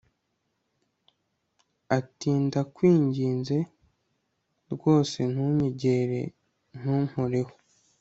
atindakwinginze rwose ntunyegere ntunkorehô